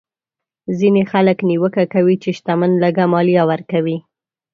ځینې خلک نیوکه کوي چې شتمن لږه مالیه ورکوي.